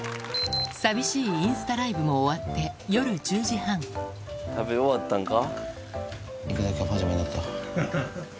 寂しいインスタライブも終わって食べ終わったんか？